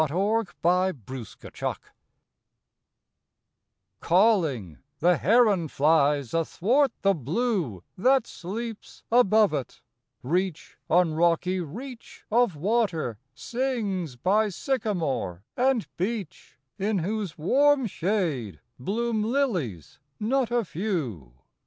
THE CREEK ROAD Calling, the heron flies athwart the blue That sleeps above it; reach on rocky reach Of water sings by sycamore and beech, In whose warm shade bloom lilies not a few.